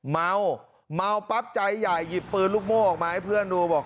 เมาเมาปั๊บใจใหญ่หยิบปืนลูกโม่ออกมาให้เพื่อนดูบอก